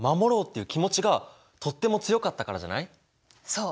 そう！